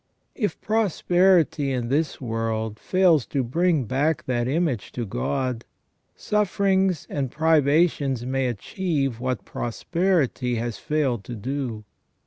If prosperity in this world fails to bring back that image to God, sufferings and privations may achieve what prosperity has failed to do.